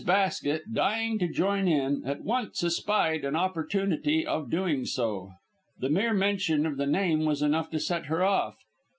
Basket, dying to join in, at once espied an opportunity of doing so. The mere mention of the name was enough to set her off.